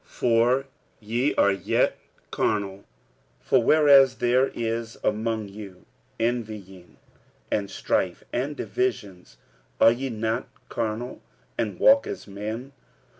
46:003:003 For ye are yet carnal: for whereas there is among you envying, and strife, and divisions, are ye not carnal, and walk as men?